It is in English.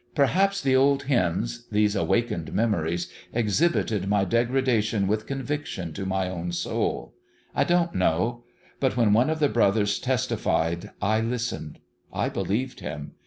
Perhaps the old hymns these awakened memories exhibited my degradation IN HIS OWN BEHALF 343 with conviction to my own soul. I don't know. ... But when one of the brothers testified I listened. I believed him.